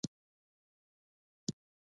چې دا بیرته راستنېدنه د لنډمهاله بحران په توګه نه